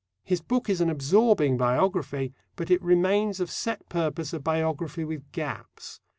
His book is an absorbing biography, but it remains of set purpose a biography with gaps.